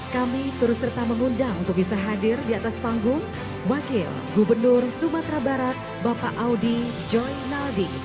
kami turut serta mengundang untuk bisa hadir di atas panggung wakil gubernur sumatera barat bapak audi joy naldi